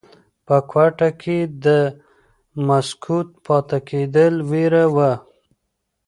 په کوټه کې د مسکوت پاتې کېدو ویره وه.